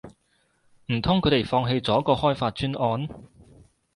唔通佢哋放棄咗個開發專案